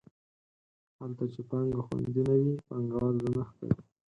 هلته چې پانګه خوندي نه وي پانګوال زړه نه ښه کوي.